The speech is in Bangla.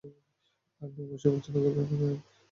আপনি অবশ্যই পছন্দ করবেন, স্যার।